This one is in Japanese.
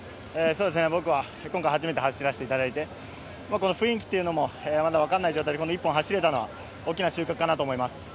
僕は今回初めて走らせていただいてこの雰囲気というのもまだ分からない状態だったのでこの１本を走れたのは大きな収穫かなと思います。